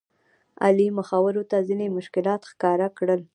علي مخورو ته ځینې مشکلات ښکاره کړل.